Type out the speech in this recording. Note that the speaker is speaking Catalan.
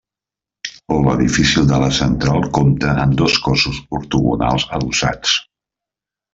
L'edifici de la central compta amb dos cossos ortogonals adossats.